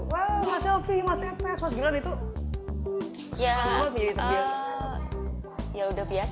wah mas selvi mas etes mas gibran itu semua menjadi terbiasa